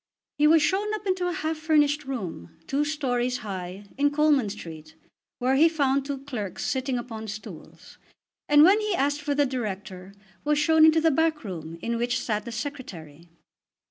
He was shown up into a half furnished room, two stories high, in Coleman Street, where he found two clerks sitting upon stools; and when he asked for the Director was shown into the back room in which sat the Secretary.